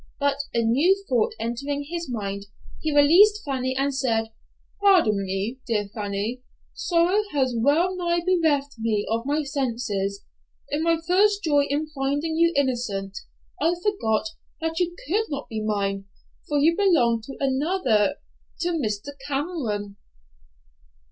But a new thought entering his mind, he released Fanny, and said, "Pardon me, dear Fanny; sorrow has well nigh bereft me of my senses. In my first joy in finding you innocent, I forgot that you could not be mine, for you belong to another—to Mr. Cameron."